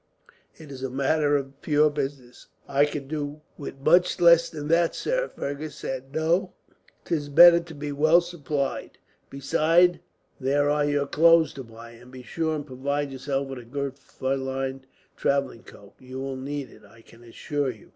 It is a matter of pure business." "I could do with much less than that, sir," Fergus said. "No, 'tis better to be well supplied. Besides, there are your clothes to buy; and be sure and provide yourself with a good fur lined travelling cloak. You will need it, I can assure you.